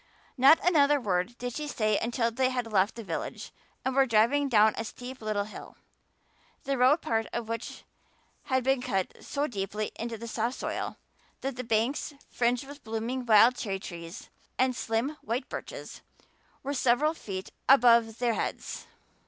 Not another word did she say until they had left the village and were driving down a steep little hill, the road part of which had been cut so deeply into the soft soil, that the banks, fringed with blooming wild cherry trees and slim white birches, were several feet above their heads.